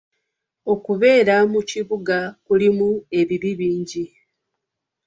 Okubeera mu kibuga kirimu ebibi bingi .